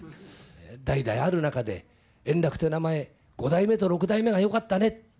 代々ある中で円楽という名前五代目と六代目が良かったねと。